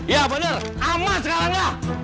ya bener aman sekarang lah